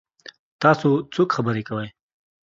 تاسو څوک خبرې کوي؟